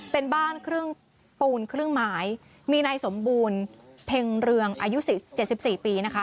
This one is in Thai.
เป็นบ้านพูนเครื่องไม้มีในสมบูรณ์เพ็งเรืองอายุ๗๔ปีนะคะ